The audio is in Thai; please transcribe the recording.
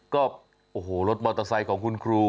ก็โอ้โหรถมอเตอร์ไซค์ของคุณครู